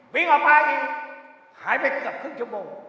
วิ่งออกมาอีกหายไปเกือบครึ่งชั่วโมง